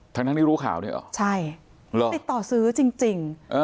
ทั้งที่รู้ข่าวด้วยเหรอใช่เหรอติดต่อซื้อจริง